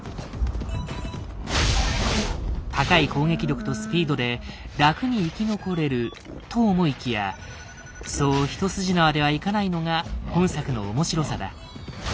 高い攻撃力とスピードで楽に生き残れると思いきやそう一筋縄ではいかないのが本作の面白さだ。